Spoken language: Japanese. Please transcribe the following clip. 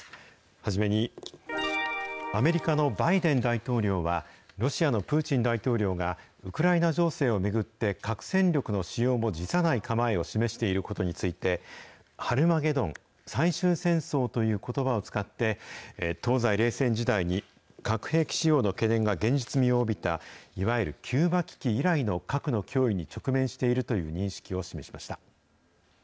初めに、アメリカのバイデン大統領は、ロシアのプーチン大統領がウクライナ情勢を巡って核戦力の使用も辞さない構えを示していることについて、ハルマゲドン・最終戦争ということばを使って、東西冷戦時代に核兵器使用の懸念が現実味を帯びた、いわゆるキューバ危機以来の核の脅威に直面しているという認識を示しました。